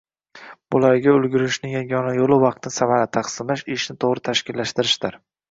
Bularga ulgurishning yagona yoʻli vaqtni samarali taqsimlash, ishni toʻgʻri tashkillashtirishdir.